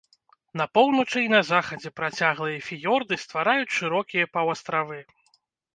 На поўначы і на захадзе працяглыя фіёрды ствараюць шырокія паўастравы.